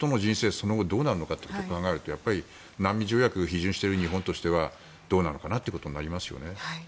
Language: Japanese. その後、どうなるのかを考えると難民条約を批准している日本としてはどうなのかなってことになりますよね。